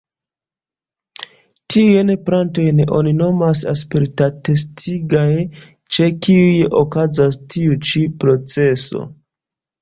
Tiujn plantojn oni nomas aspartat-estigaj, ĉe kiuj okazas tiu ĉi proceso.